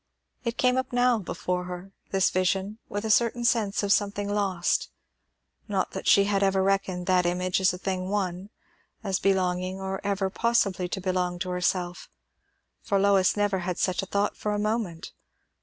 It came up now before her, this vision, with a certain sense of something lost. Not that she had ever reckoned that image as a thing won; as belonging, or ever possibly to belong, to herself; for Lois never had such a thought for a moment.